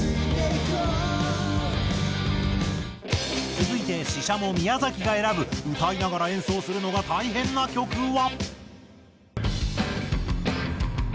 続いてＳＨＩＳＨＡＭＯ宮崎が選ぶ歌いながら演奏するのが大変な曲は。